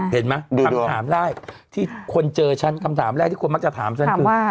เห็นไหมคำถามได้ที่คนเจอฉันคำถามแรกที่คนมักจะถามฉันคือ